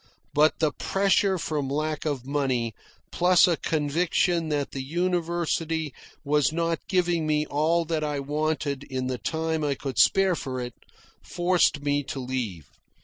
But the pressure from lack of money, plus a conviction that the university was not giving me all that I wanted in the time I could spare for it, forced me to leave.